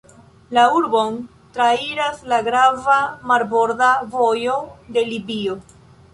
La urbon trairas la grava marborda vojo de Libio.